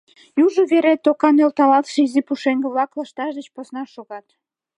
Южо вере тока нӧлталтше изи пушеҥге-влак лышташ деч посна шогат.